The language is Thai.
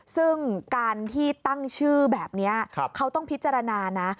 ซึ่งการที่ตั้งชื่อแบบนี้เขาต้องพิจารณานะ